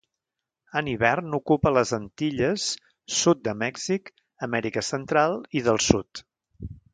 En hivern ocupa les Antilles, sud de Mèxic, Amèrica Central i del Sud.